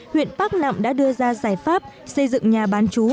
huyện bắc nẵm đã đưa ra giải pháp xây dựng nhà bán chú